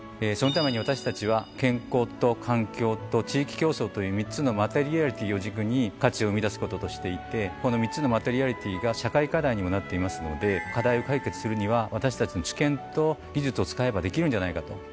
そのために私たちは健康と環境と地域共創という３つのマタリアリティを軸に価値を生み出すこととしていてこの３つのマタリアリティが社会課題にもなっていますので課題を解決するには私たちの知見と技術を使えばできるんじゃないかと。